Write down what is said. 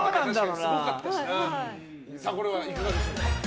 これはいかがでしょう。